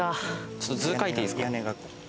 ちょっと図描いていいですか。